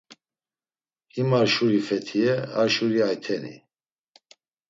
Him ar şuri Fetiye, ar şuri Ayteni.